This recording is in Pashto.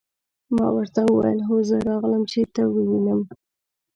ما ورته وویل: هو زه راغلم، چې ته ووینم.